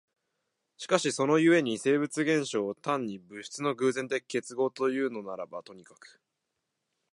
しかしその故に生物現象を単に物質の偶然的結合というのならばとにかく、